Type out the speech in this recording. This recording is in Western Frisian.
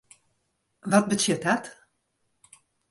Wat betsjut dat?